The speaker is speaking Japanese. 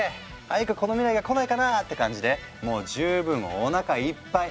早くこの未来が来ないかな」って感じでもう十分おなかいっぱい。